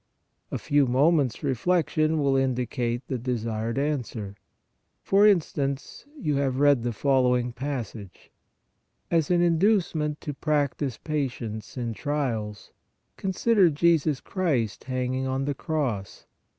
" A few moments re flection will indicate the desired answer. For in stance, you have read the following passage :" As an inducement to practise patience in trials consider Jesus Christ hanging on the cross.